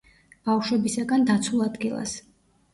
ბავშვებისაგან დაცულ ადგილას.